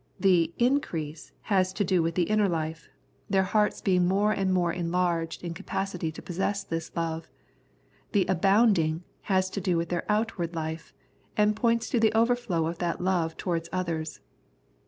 The " in crease " has to do with their inner life, their 7 The Prayers of St. Paul hearts being more and more enlarged in capacity to possess this love ; the " abound ing " has to do with their outward life, and points to the overflow of that love towards others.